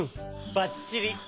ばっちり！